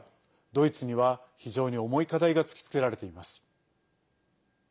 ドイツには非常に重い課題が突きつけられています。